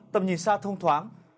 tầm nhìn xa thông thoáng